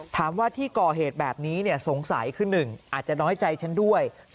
ถามว่าที่ก่อเหตุแบบนี้สงสัยคือ๑อาจจะน้อยใจฉันด้วย